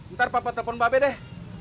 ntar papa telepon babeh deh